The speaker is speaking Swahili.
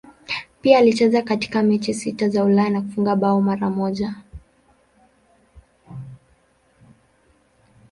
Pia alicheza katika mechi sita za Ulaya na kufunga bao mara moja.